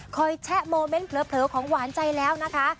แชะโมเมนต์เผลอของหวานใจแล้วนะคะ